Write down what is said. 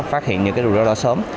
phát hiện những rủi ro đó sớm